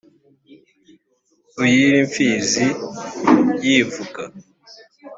òyir'imfizi, yivuga